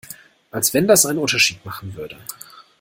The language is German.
Als wenn das einen Unterschied machen würde!